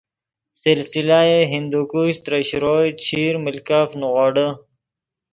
سلسلہ ہندوکش ترے شروئے، چیشیر ملکف نیغوڑے